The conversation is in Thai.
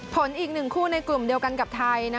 อีก๑คู่ในกลุ่มเดียวกันกับไทย